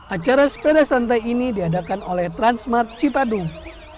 acara sepeda santai ini diadakan oleh transmart cipadung